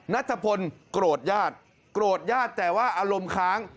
นัทพลโกรธญาติโกรธญาติแต่ว่าอารมณ์ค้าง